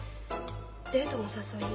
デートの誘い。